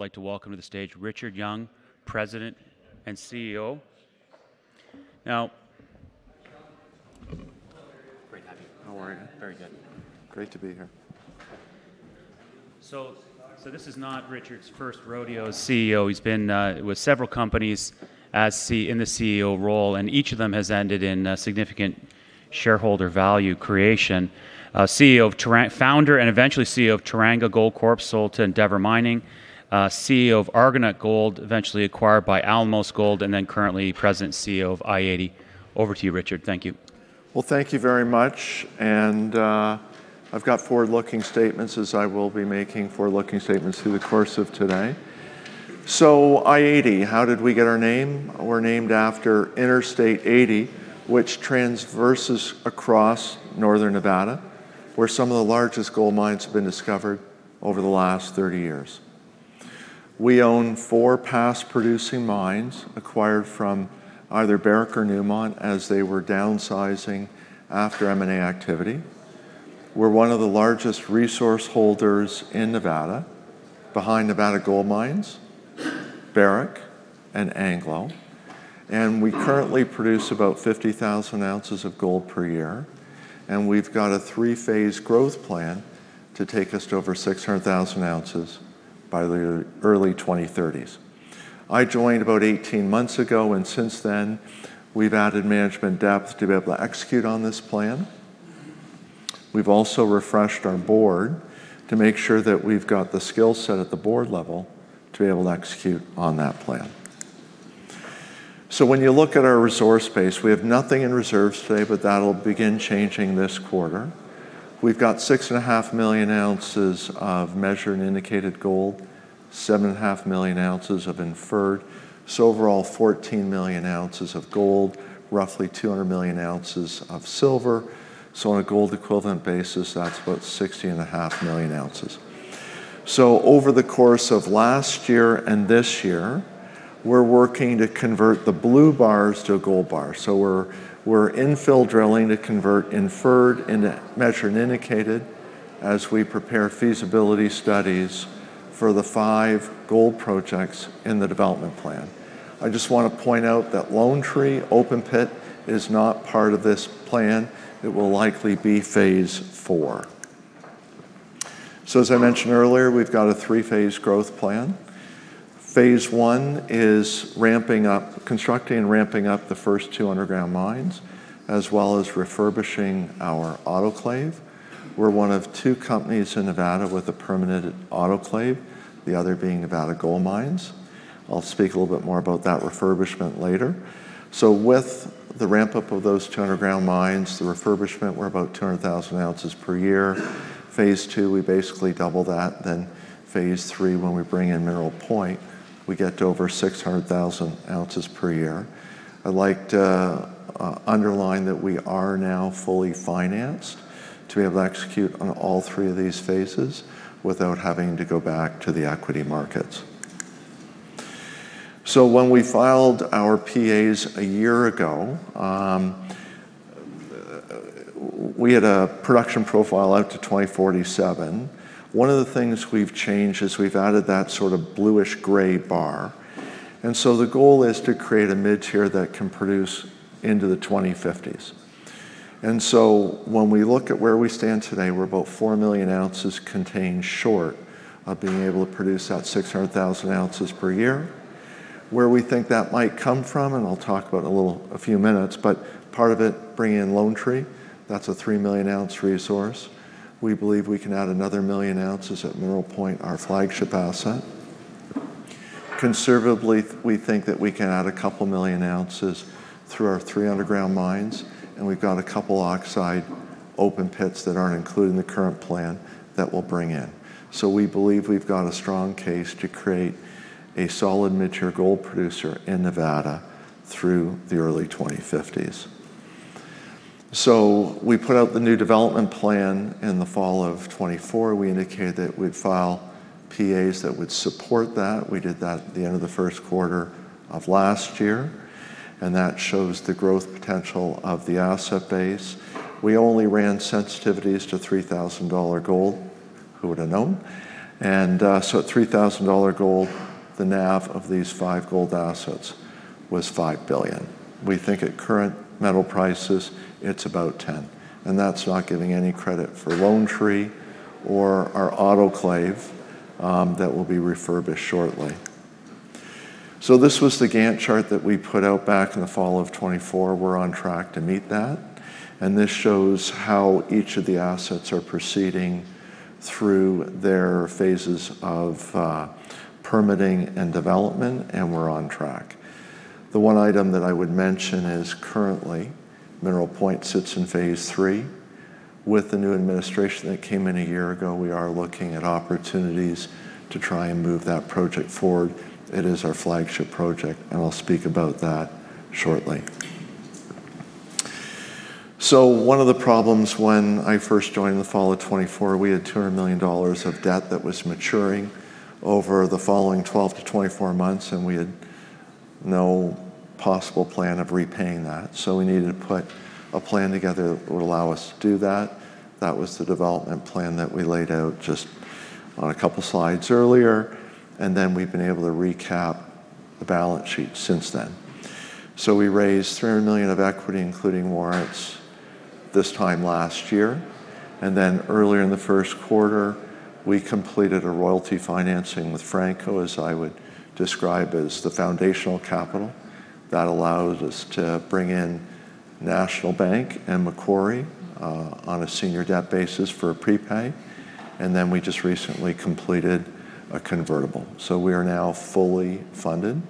I'd like to welcome to the stage Richard Young, President and CEO. Now, great to have you. How are you? Very good. Great to be here. This is not Richard's first rodeo as CEO. He's been with several companies in the CEO role, and each of them has ended in significant shareholder value creation. Founder and eventually CEO of Teranga Gold Corp., sold to Endeavour Mining, CEO of Argonaut Gold, eventually acquired by Alamos Gold, and then currently present CEO of i-80. Over to you, Richard. Thank you. Well, thank you very much, and I've got forward-looking statements as I will be making forward-looking statements through the course of today. i-80, how did we get our name? We're named after Interstate 80, which transverses across northern Nevada, where some of the largest gold mines have been discovered over the last 30 years. We own four past-producing mines acquired from either Barrick or Newmont as they were downsizing after M&A activity. We're one of the largest resource holders in Nevada, behind Nevada Gold Mines, Barrick, and Anglo. We currently produce about 50,000 oz of gold per year, and we've got a Three-Phased growth plan to take us to over 600,000 oz by the early 2030s. I joined about 18 months ago, and since then, we've added management depth to be able to execute on this plan. We've also refreshed our Board to make sure that we've got the skill set at the Board level to be able to execute on that plan. When you look at our resource base, we have nothing in reserves today, but that'll begin changing this quarter. We've got 6.5 million oz of measured and indicated gold, 7.5 million oz of inferred, so overall 14 million oz of gold, roughly 200 million oz of silver. On a gold equivalent basis, that's about 16.5 million oz. Over the course of last year and this year, we're working to convert the blue bars to gold bars. We're infill drilling to convert inferred into measured and indicated as we prepare feasibility studies for the five gold projects in the development plan. I just want to point out that Lone Tree open pit is not part of this plan. It will likely be phase four. As I mentioned earlier, we've got a Three-Phased growth plan. Phase one is constructing and ramping up the first two underground mines, as well as refurbishing our autoclave. We're one of two companies in Nevada with a permanent autoclave, the other being Nevada Gold Mines. I'll speak a little bit more about that refurbishment later. With the ramp-up of those two underground mines, the refurbishment, we're about 200,000 oz per year. Phase two, we basically double that. Phase three, when we bring in Mineral Point, we get to over 600,000 oz per year. I'd like to underline that we are now fully financed to be able to execute on all three of these phases without having to go back to the equity markets. When we filed our PAs a year ago, we had a production profile out to 2047. One of the things we've changed is we've added that sort of bluish-gray bar. The goal is to create a mid-tier that can produce into the 2050s. When we look at where we stand today, we're about 4 million oz contained short of being able to produce that 600,000 oz per year. Where we think that might come from, and I'll talk about in a few minutes, but part of it, bringing in Lone Tree, that's a 3 million oz resource. We believe we can add another 1 million oz at Mineral Point, our flagship asset. Conservatively, we think that we can add a couple million ounces through our three underground mines, and we've got a couple oxide open pits that aren't included in the current plan that we'll bring in. So we believe we've got a strong case to create a solid mid-tier gold producer in Nevada through the early 2050s. So we put out the new development plan in the fall of 2024. We indicated that we'd file PAs that would support that. We did that at the end of the first quarter of last year, and that shows the growth potential of the asset base. We only ran sensitivities to $3,000 gold. Who would have known? And so at $3,000 gold, the NAV of these five gold assets was $5 billion. We think at current metal prices, it's about 10. And that's not giving any credit for Lone Tree or our autoclave that will be refurbished shortly. So this was the Gantt chart that we put out back in the fall of 2024. We're on track to meet that. And this shows how each of the assets are proceeding through their phases of permitting and development, and we're on track. The one item that I would mention is currently, Mineral Point sits in phase three. With the new administration that came in a year ago, we are looking at opportunities to try and move that project forward. It is our flagship project, and I'll speak about that shortly. So one of the problems when I first joined in the fall of 2024, we had $200 million of debt that was maturing over the following 12 to 24 months, and we had no possible plan of repaying that. So we needed to put a plan together that would allow us to do that. That was the development plan that we laid out just on a couple of slides earlier, and then we've been able to recap the balance sheet since then. We raised $300 million of equity, including warrants, this time last year. Earlier in the first quarter, we completed a royalty financing with Franco-Nevada, as I would describe as the foundational capital. That allowed us to bring in National Bank and Macquarie on a senior debt basis for a prepay. We just recently completed a convertible. We are now fully funded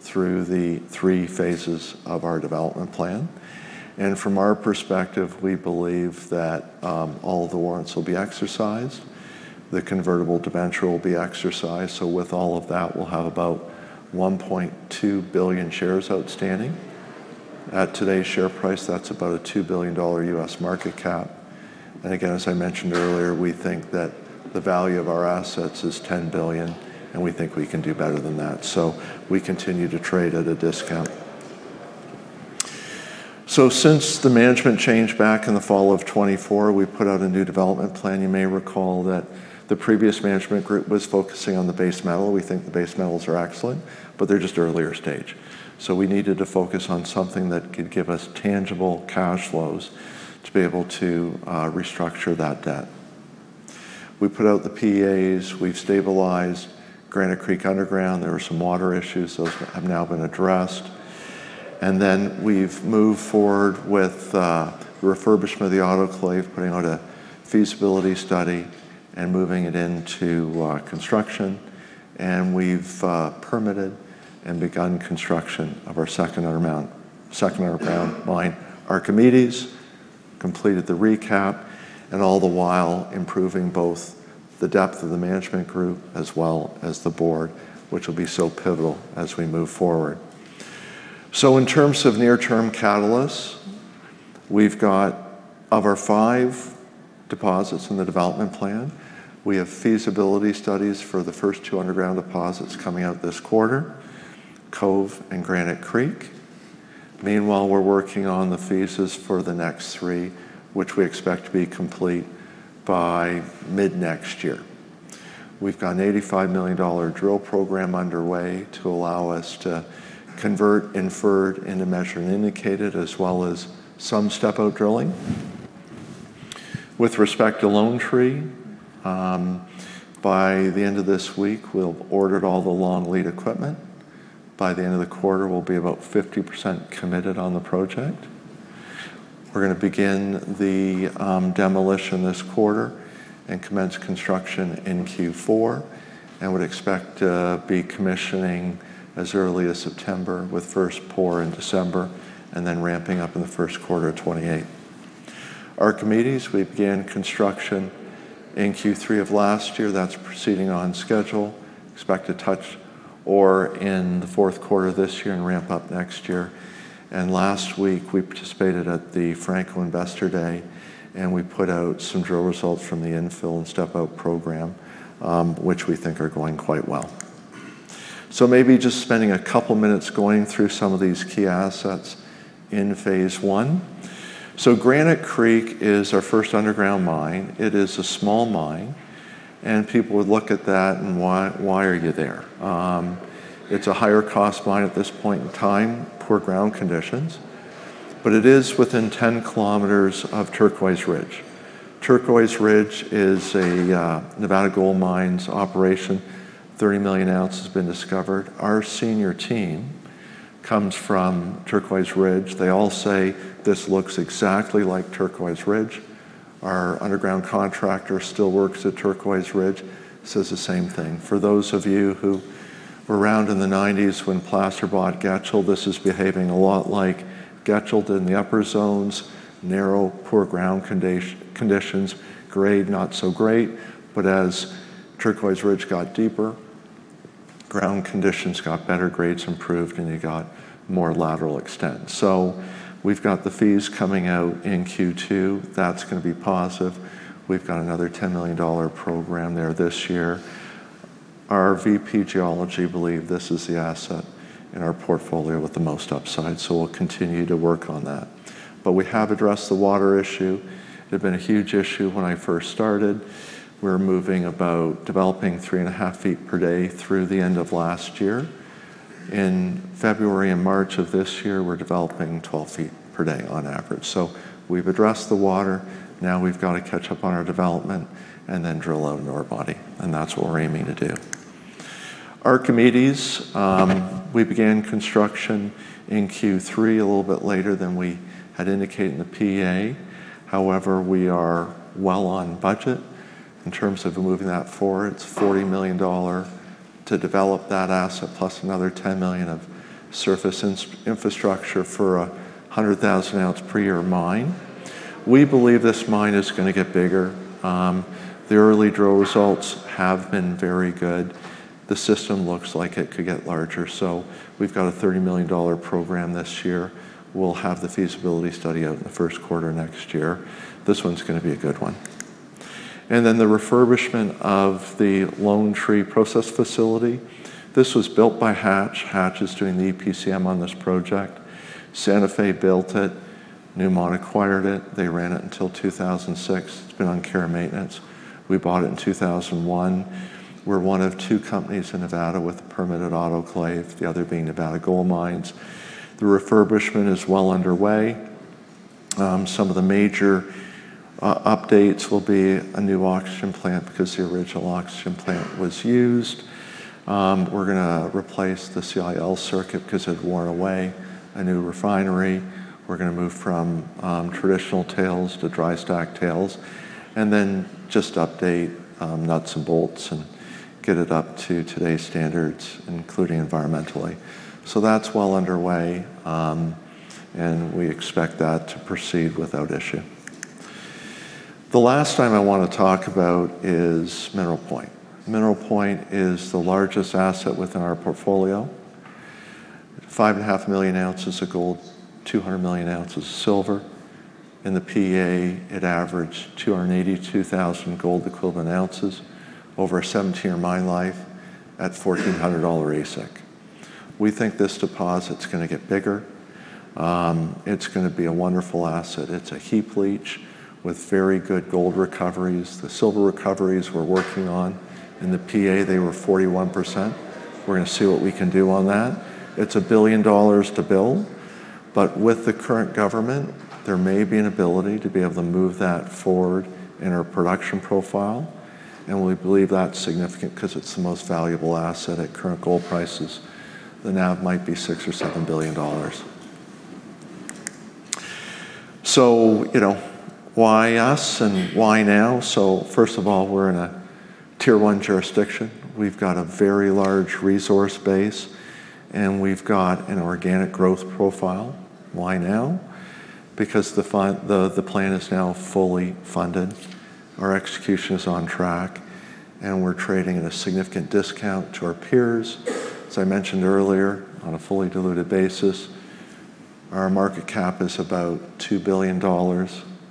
through the three phases of our development plan. From our perspective, we believe that all the warrants will be exercised, the convertible debenture will be exercised, so with all of that, we'll have about 1.2 billion shares outstanding. At today's share price, that's about a $2 billion U.S. market cap. Again, as I mentioned earlier, we think that the value of our assets is $10 billion, and we think we can do better than that. We continue to trade at a discount. Since the management change back in the fall of 2024, we put out a new development plan. You may recall that the previous management group was focusing on the base metal. We think the base metals are excellent, but they're just earlier stage. We needed to focus on something that could give us tangible cash flows to be able to restructure that debt. We put out the PAs. We've stabilized Granite Creek underground. There were some water issues. Those have now been addressed. We've moved forward with refurbishment of the autoclave, putting out a feasibility study and moving it into construction. We've permitted and begun construction of our second underground mine, Archimedes, completed the recap, and all the while improving both the depth of the management group as well as the Board, which will be so pivotal as we move forward. In terms of near-term catalysts, we've got of our five deposits in the development plan, we have feasibility studies for the first two underground deposits coming out this quarter, Cove and Granite Creek. Meanwhile, we're working on the thesis for the next three, which we expect to be complete by mid-next year. We've got an $85 million drill program underway to allow us to convert inferred into measured and indicated, as well as some step-out drilling. With respect to Lone Tree, by the end of this week, we'll have ordered all the long lead equipment. By the end of the quarter, we'll be about 50% committed on the project. We're going to begin the demolition this quarter and commence construction in Q4, and would expect to be commissioning as early as September, with first pour in December, and then ramping up in the first quarter of 2028. Archimedes, we began construction in Q3 of last year. That's proceeding on schedule. We expect to touch ore in the fourth quarter of this year and ramp up next year. Last week, we participated at the Franco Investor Day, and we put out some drill results from the infill and step-out program, which we think are going quite well. Maybe just spending a couple of minutes going through some of these key assets in phase one. Granite Creek is our first underground mine. It is a small mine, and people would look at that and why are you there? It's a higher cost mine at this point in time, poor ground conditions, but it is within 10 km of Turquoise Ridge. Turquoise Ridge is a Nevada Gold Mines operation. 30 million oz has been discovered. Our senior team comes from Turquoise Ridge. They all say this looks exactly like Turquoise Ridge. Our underground contractor still works at Turquoise Ridge, says the same thing. For those of you who were around in the 1990s when Placer bought Getchell, this is behaving a lot like Getchell did in the upper zones, narrow, poor ground conditions, grade not so great, but as Turquoise Ridge got deeper, ground conditions got better, grades improved, and you got more lateral extent. We've got the PFS coming out in Q2. That's going to be positive. We've got another $10 million program there this year. Our VP Geology believed this is the asset in our portfolio with the most upside, so we'll continue to work on that. We have addressed the water issue. It had been a huge issue when I first started. We were moving about developing three and a half feet per day through the end of last year. In February and March of this year, we're developing 12 feet per day on average. We've addressed the water. Now we've got to catch up on our development and then drill out an ore body, and that's what we're aiming to do. Archimedes, we began construction in Q3 a little bit later than we had indicated in the PEA. However, we are well on budget in terms of moving that forward. It's $40 million to develop that asset, plus another $10 million of surface infrastructure for a 100,000-oz-per-year mine. We believe this mine is going to get bigger. The early drill results have been very good. The system looks like it could get larger, so we've got a $30 million program this year. We'll have the feasibility study out in the first quarter next year. This one's going to be a good one. The refurbishment of the Lone Tree process facility, this was built by Hatch. Hatch is doing the EPCM on this project. Santa Fe built it. Newmont acquired it. They ran it until 2006. It's been on care maintenance. We bought it in 2001. We're one of two companies in Nevada with a permitted autoclave, the other being Nevada Gold Mines. The refurbishment is well underway. Some of the major updates will be a new oxygen plant because the original oxygen plant was used. We're going to replace the CIL circuit because it had worn away, a new refinery. We're going to move from traditional tails to dry stack tails, and then just update nuts and bolts and get it up to today's standards, including environmentally. That's well underway, and we expect that to proceed without issue. The last thing I want to talk about is Mineral Point. Mineral Point is the largest asset within our portfolio, 5.5 million oz of gold, 200 million oz of silver. In the PEA, it averaged 282,000 gold equivalent oz over a 17-year mine life at $1,400 AISC. We think this deposit's going to get bigger. It's going to be a wonderful asset. It's a heap leach with very good gold recoveries. The silver recoveries we're working on, in the PEA, they were 41%. We're going to see what we can do on that. It's $1 billion to build, but with the current government, there may be an ability to be able to move that forward in our production profile, and we believe that's significant because it's the most valuable asset at current gold prices. The NAV might be $6 billion-$7 billion. Why us and why now? First of all, we're in a tier one jurisdiction. We've got a very large resource base, and we've got an organic growth profile. Why now? Because the plan is now fully funded. Our execution is on track, and we're trading at a significant discount to our peers. As I mentioned earlier, on a fully diluted basis, our market cap is about $2 billion.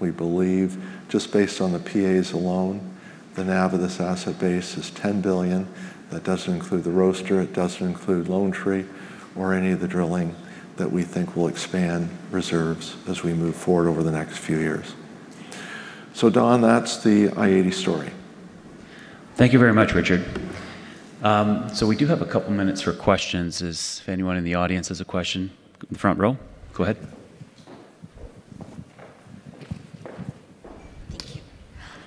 We believe, just based on the PAs alone, the NAV of this asset base is $10 billion. That doesn't include the roaster, it doesn't include Lone Tree, or any of the drilling that we think will expand reserves as we move forward over the next few years. Don, that's the i-80 story. Thank you very much, Richard. We do have a couple of minutes for questions if anyone in the audience has a question. Front row, go ahead.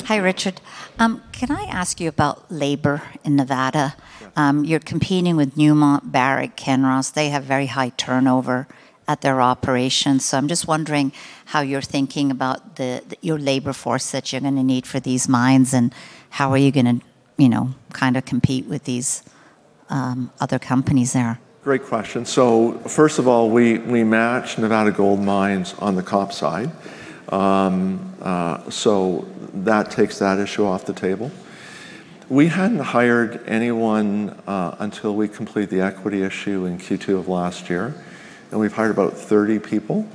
Hi, Richard. Can I ask you about labor in Nevada? Yeah. You're competing with Newmont, Barrick, Kinross. They have very high turnover at their operations, so I'm just wondering how you're thinking about your labor force that you're going to need for these mines and how are you going to compete with these other companies there? Great question. First of all, we match Nevada Gold Mines on the comp side. That takes that issue off the table. We hadn't hired anyone until we completed the equity issue in Q2 of last year, and we've hired about 30 people,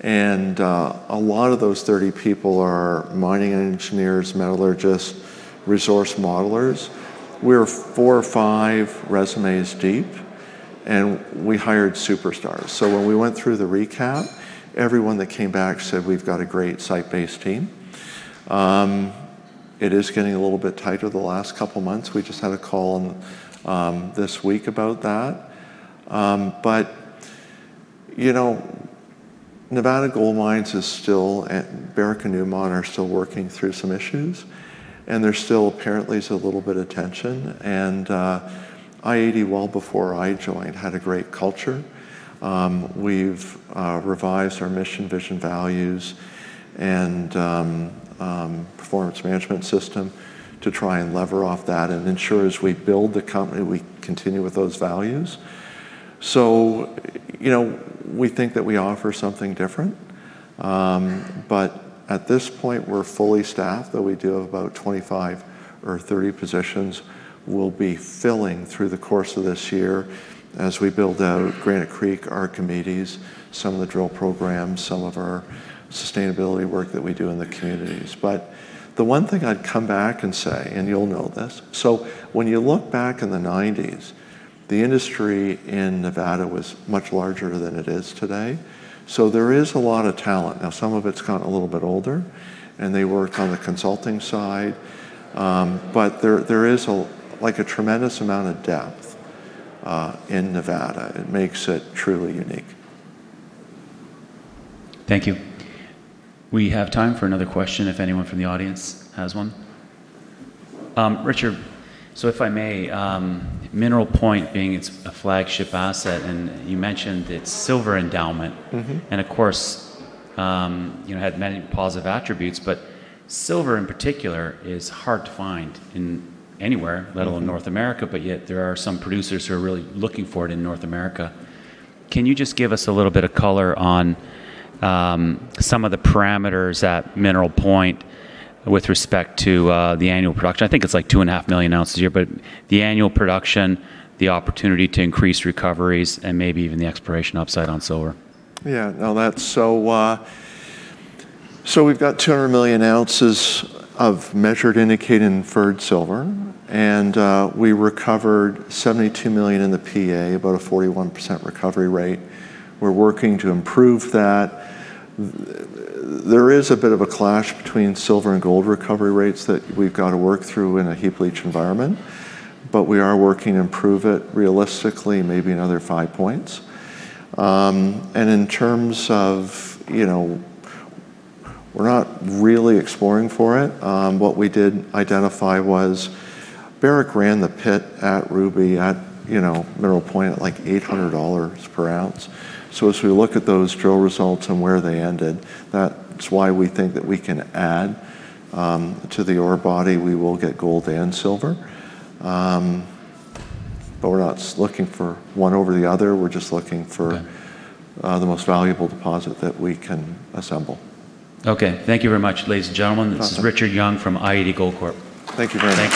and a lot of those 30 people are mining engineers, metallurgists, resource modelers. We're four or five resumes deep, and we hired superstars. When we went through the recap, everyone that came back said we've got a great site-based team. It is getting a little bit tighter the last couple of months. We just had a call this week about that. Barrick and Newmont are still working through some issues, and there still apparently is a little bit of tension. i-80, well before I joined, had a great culture. We've revised our mission, vision, values, and performance management system to try and lever off that and ensure as we build the company, we continue with those values. We think that we offer something different. At this point, we're fully staffed, though we do have about 25 or 30 positions we'll be filling through the course of this year as we build out Granite Creek, Archimedes, some of the drill programs, some of our sustainability work that we do in the communities. The one thing I'd come back and say, and you'll know this, so when you look back in the 1990s, the industry in Nevada was much larger than it is today. There is a lot of talent. Now, some of it's gotten a little bit older, and they work on the consulting side, but there is a tremendous amount of depth in Nevada. It makes it truly unique. Thank you. We have time for another question if anyone from the audience has one. Richard, if I may, Mineral Point being it's a flagship asset, and you mentioned its silver endowment. Of course, it had many positive attributes, but silver in particular is hard to find anywhere. Let alone North America, but yet there are some producers who are really looking for it in North America. Can you just give us a little bit of color on some of the parameters at Mineral Point with respect to the annual production? I think it's 2.5 million oz a year, but the annual production, the opportunity to increase recoveries, and maybe even the exploration upside on silver. Yeah. We've got 200 million oz of Measured, Indicated, Inferred silver, and we recovered 72 million in the PEA, about a 41% recovery rate. We're working to improve that. There is a bit of a clash between silver and gold recovery rates that we've got to work through in a heap leach environment. We are working to improve it realistically, maybe another five points. We're not really exploring for it. What we did identify was Barrick ran the pit at Ruby Hill at Mineral Point at $800 per ounce. As we look at those drill results and where they ended, that's why we think that we can add to the ore body. We will get gold and silver. We're not looking for one over the other. The most valuable deposit that we can assemble. Okay. Thank you very much, ladies and gentlemen. Awesome. This is Richard Young from i-80 Gold Corp. Thank you very much.